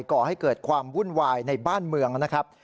ก่อให้เกิดความวุ่นวายในบ้านเมืองนะครับ